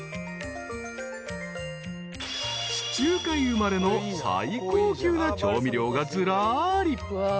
［地中海生まれの最高級な調味料がずらり］